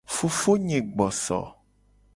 Fofonye gbo so eso.